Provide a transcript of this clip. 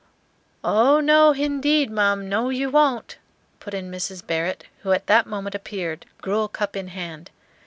"Oh no, h'indeed, mum, no, you won't," put in Mrs. Barrett, who at that moment appeared, gruel cup in hand.